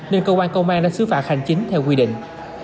nên cơ quan công an đã xứ phạt hành chính theo quy định